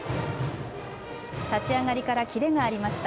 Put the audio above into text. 立ち上がりからキレがありました。